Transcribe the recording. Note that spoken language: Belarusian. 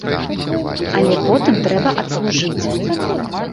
Але потым трэба адслужыць.